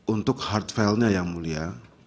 untuk hard filenya yang mulia